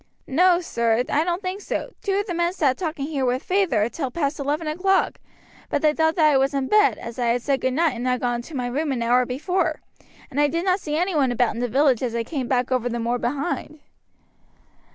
"No, sir, I don't think so. Two of the men sat here talking with feyther till past eleven o'clock, but they thought that I was in bed, as I had said goodnight and had gone into my room an hour before, and I did not see any one about in the village as I came back over the moor behind."